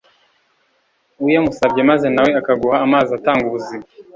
uyamusabye maze na we akaguha amazi atanga ubuzima